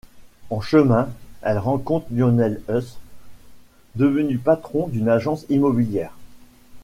En chemin, elle rencontre Lionel Hutz, devenu patron d'une agence immobilière.